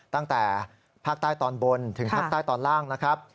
ตั้งแต่ภาคใต้ตอนบนถึงภาคใต้ตอนล่างนะครับ